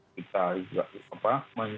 kita juga apa